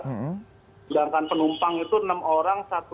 sedangkan penumpang itu enam orang satu